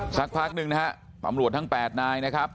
สักพักหนึ่งนะฮะตำรวจทั้ง๘นายนะครับ